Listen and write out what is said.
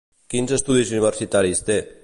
Quins estudis universitaris té?